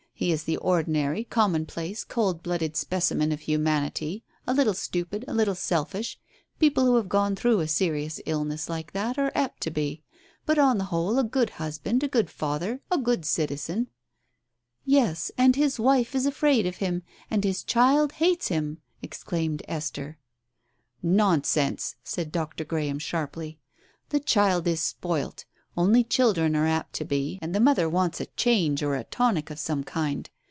He is the ordinary, commonplace, cold blooded specimen of humanity, a little stupid, a little selfish, — people who have gone through a serious illness like that are apt to be — but on the whole, a good husband, a good father, a good citizen "" Yes, and his wife is afraid of him, and his child hates him I " exclaimed Esther. "Nonsense !" said Dr. Graham sharply. "The child is spoilt. Only children are apt to be — and the mother wants a change or a tonic of some kind.